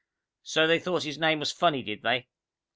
So they thought his name was funny, did they?